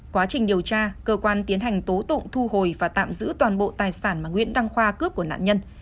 quá trình điều tra cơ quan tiến hành tố tụng thu hồi và tạm giữ toàn bộ tài sản mà nguyễn đăng khoa cướp của nạn nhân